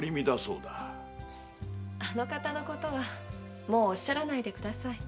あの方のことはもうおっしゃらないでください。